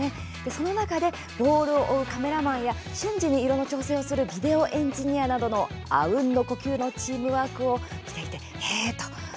その中でボールを追うカメラマンや瞬時に色の調整するビデオエンジニアのあうんの呼吸のチームワーク。